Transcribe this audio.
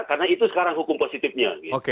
karena itu sekarang hukum positifnya